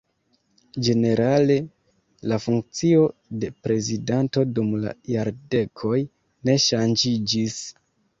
Ĝenerale la funkcio de prezidanto dum la jardekoj ne ŝanĝiĝis.